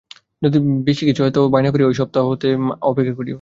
যদি কিছু বেশী হয় তো বায়না করিয়া ঐ সাত সপ্তাহ অপেক্ষা করিও।